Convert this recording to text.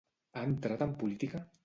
Ha entrat en política?